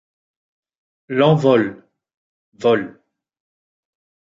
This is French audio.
L'Envol, vol.